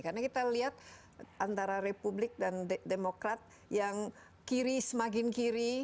karena kita lihat antara republik dan demokrat yang kiri semakin kiri